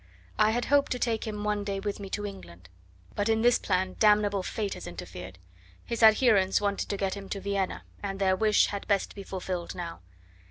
I had hoped to take him one day with me to England. But in this plan damnable Fate has interfered. His adherents wanted to get him to Vienna, and their wish had best be fulfilled now.